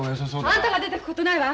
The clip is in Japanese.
あんたが出ていくことないわ。